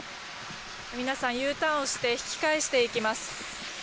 皆さん、Ｕターンをして引き返していきます。